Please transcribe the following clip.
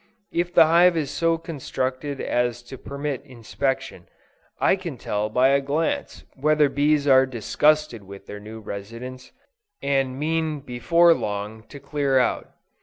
If the hive is so constructed as to permit inspection, I can tell by a glance whether bees are disgusted with their new residence, and mean before long to clear out.